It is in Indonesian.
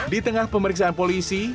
di tengah pemeriksaan polisi